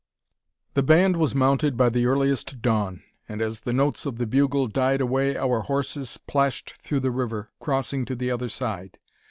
The band was mounted by the earliest dawn, and as the notes of the bugle died away our horses plashed through the river, crossing to the other side.